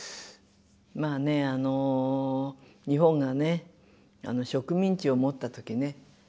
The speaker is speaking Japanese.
まあねあの日本がね植民地を持った時ね